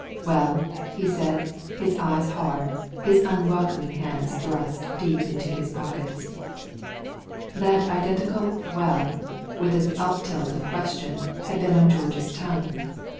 "Well?" he said, his eyes hard, his unwelcoming hands thrust deep into his pockets. That identical "well" with its uptilt of question had been on George's tongue.